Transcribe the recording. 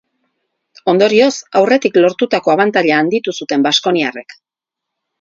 Ondorioz, aurretik lortutako abantaila handitu zuten baskoniarrek.